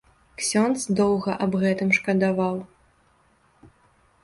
Ксёндз доўга аб гэтым шкадаваў.